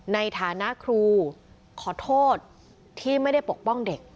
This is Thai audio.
ในฐานะครูขอโทษที่ไม่ได้ปกป้องเด็ก